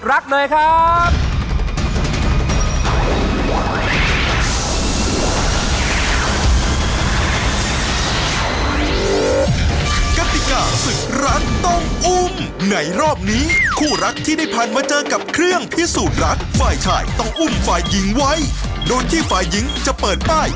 อ่ะขอเชิญพบกับเครื่องพิสูจน์ลักษณ์หน่อยค่ะ